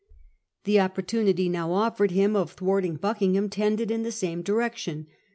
The opportunity now offered him of thwarting Buckingham tended in the same direction.